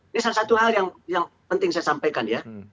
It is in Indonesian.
ini salah satu hal yang penting saya sampaikan ya